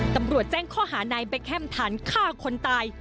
ตำรวจแจ้งข้อหานายเบคแฮมฐานฆ่าคนตาย